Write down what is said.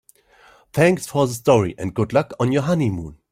Thanks for the story and good luck on your honeymoon.